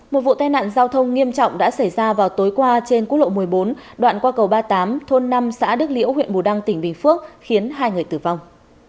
một vụ tai nạn giao thông nghiêm trọng đã xảy ra vào tối qua trên quốc lộ một mươi bốn đoạn qua cầu ba mươi tám thôn năm xã đức liễu huyện bù đăng tỉnh bình phước khiến hai người tử vong